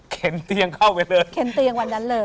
เตียงเข้าไปเลยเข็นเตียงวันนั้นเลย